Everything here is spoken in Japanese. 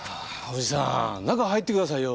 叔父さん中入ってくださいよ。